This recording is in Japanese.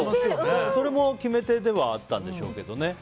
それも決め手ではあったんでしょうけどね。